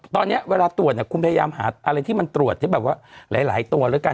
ตอนนี้เวลาตรวจเนี่ยคุณพยายามหาอะไรที่มันตรวจที่แบบว่าหลายตัวแล้วกัน